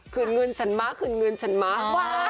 คืนเงินฉันมาคืนเงินฉันมา